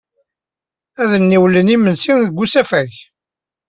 Ad d-niwlen imensi deg usafag.